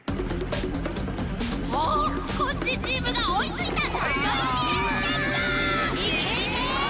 おおコッシーチームがおいついた！はいや！